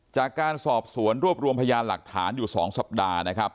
จากการสอบสวนรวบรวมพยานหลักฐานอยู่๒สัปดาห์นะครับ